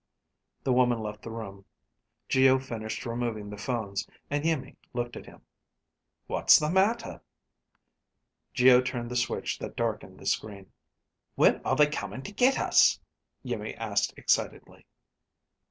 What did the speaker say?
The woman left the room, Geo finished removing the phones, and Iimmi looked at him. "What's the matter?" Geo turned the switch that darkened the screen. "When are they coming to get us?" Iimmi asked excitedly.